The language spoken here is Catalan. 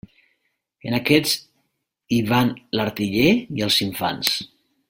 En aquest hi van l'artiller i els infants.